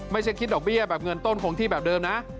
ไม่ใช่คิดดอกเบี้ยแบบเงินต้นคงที่แบบเดิมนะ